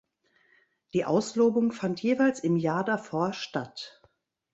Die Auslobung fand jeweils im Jahr davor statt.